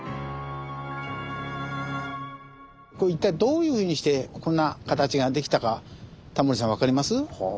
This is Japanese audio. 一体どういうふうにしてこんな形ができたかタモリさんわかります？